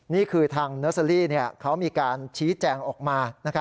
นี่คือทางเนอร์เซอรี่เขามีการชี้แจงออกมา